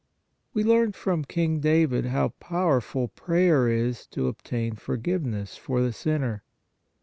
We learn from King David how powerful prayer is to obtain forgive ness for the sinner.